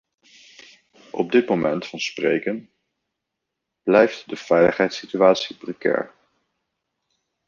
Op dit moment van spreken blijft de veiligheidssituatie precair.